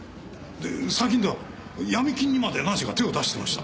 で最近ではヤミ金にまで何社か手を出してました。